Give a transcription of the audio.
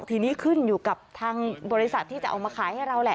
ทีนี้ขึ้นอยู่กับทางบริษัทที่จะเอามาขายให้เราแหละ